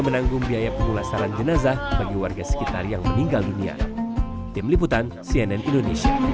menanggung biaya pemulasaran jenazah bagi warga sekitar yang meninggal dunia tim liputan cnn indonesia